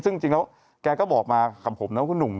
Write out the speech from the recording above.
ซึ่งจริงแล้วแกก็บอกมากับผมนะว่าคุณหนุ่ม